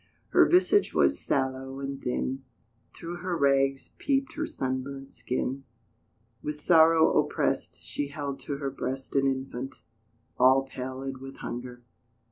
Her visage was sallow and thin, Through her rags peeped her sunburnt skin; With sorrow oppressed, She held to her breast An infant, all pallid with hunger.